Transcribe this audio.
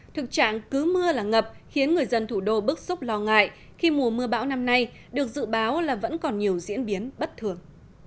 thực trạng cứ mưa là ngập khiến người dân thủ đô bức xúc lo ngại khi mùa mưa bão năm nay được dự báo là vẫn còn nhiều diễn biến bất thường